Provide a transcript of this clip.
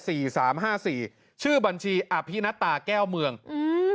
สามห้าสี่ชื่อบัญชีอภินัตตาแก้วเมืองอืม